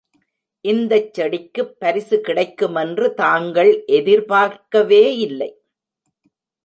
இந்தச் செடிக்குப் பரிசு கிடைக்குமென்று தாங்கள் எதிர்பார்க்கவே இல்லை.